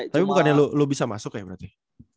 tapi bukan ya lo bisa masuk ya berarti